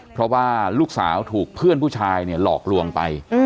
เพราะว่าลูกสาวถูกเพื่อนผู้ชายเนี่ยหลอกลวงไป